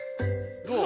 どう？